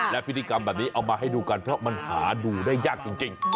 และพิธีกรรมแบบนี้เอามาให้ดูกันเพราะมันหาดูได้ยากจริง